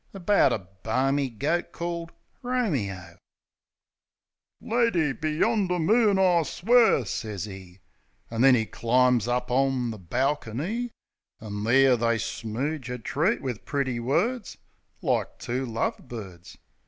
About a barmy goat called Romeo. "Lady, be yonder moon I swear !" sez 'e. An' then 'e climbs up on the balkiney; An' there they smooge a treat, wiv pretty words Like two love birds.